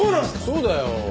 そうだよ。